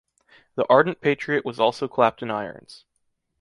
The ardent patriot was also clapped in irons.